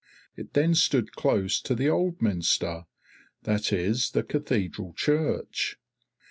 It then stood close to the Old Minster, that is, the cathedral church.